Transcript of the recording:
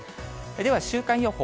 では、週間予報。